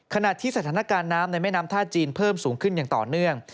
ขณะที่สถานการณ์น้ำในแม่น้ำท่าจีนเพิ่มสูงขึ้นอย่างต่อเนื่อง